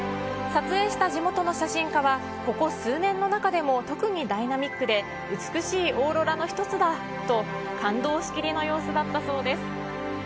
撮影した地元の写真家は、ここ数年の中でも特にダイナミックで美しいオーロラの一つだと、感動しきりの様子だったそうです。